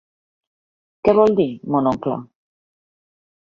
¿Què vol dir, mon oncle?